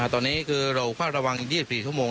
ตอนนี้เราเกลาเฝ้าระวังอย่างไรบ้าง